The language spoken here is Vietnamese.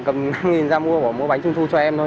cầm năm nghìn ra mua bánh trung thu cho em thôi